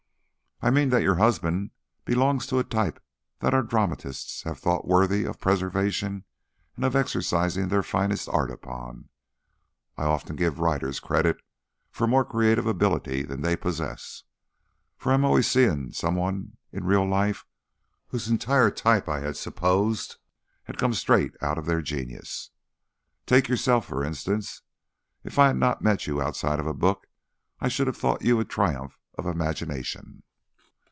"I mean that your husband belongs to a type that our dramatists have thought worthy of preservation and of exercising their finest art upon. I often give writers credit for more creative ability than they possess, for I always am seeing some one in real life whose entire type I had supposed had come straight out of their genius. Take yourself, for instance. If I had not met you outside of a book, I should have thought you a triumph of imagination."